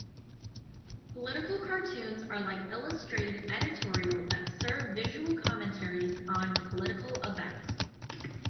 Political cartoons are like illustrated editorial that serve visual commentaries on political events.